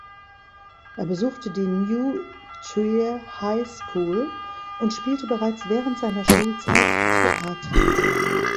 Er besuchte die New Trier High School und spielte bereits während seiner Schulzeit Theater.